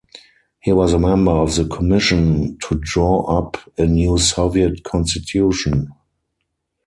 He was a member of the commission to draw up a new Soviet constitution.